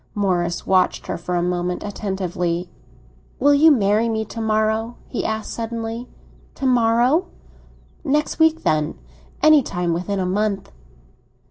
Morris watched her for a moment, attentively. "Will you marry me to morrow?" he asked suddenly. "To morrow?" "Next week, then. Any time within a month."